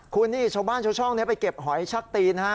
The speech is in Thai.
คุณนี่จะเจาะบ้านช่องไปเก็บหอยชักตีน